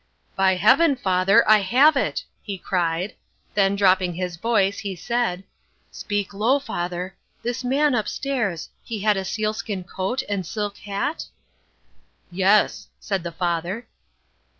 "By Heaven, father, I have it!" he cried. Then, dropping his voice, he said, "Speak low, father. This man upstairs, he had a sealskin coat and silk hat?" "Yes," said the father.